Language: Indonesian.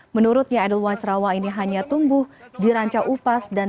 menurutnya edelweiss rawai ini hanya terjadi karena tanaman yang berada di kawasan ranca upas ciwidei